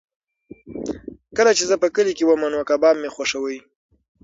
کله چې زه په کلي کې وم نو کباب مې خوښاوه.